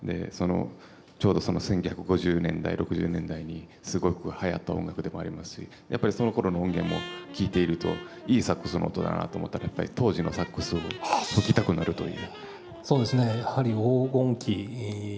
ちょうどその１９５０年代、６０年代にすごくはやった音楽でもありますしやっぱり、そのころの音源を聴いているといいサックスの音だなと思って当時のサックスを吹きたくなるという。